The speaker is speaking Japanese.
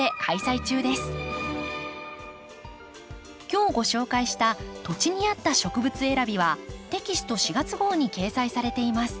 今日ご紹介した「土地に合った植物選び」はテキスト４月号に掲載されています。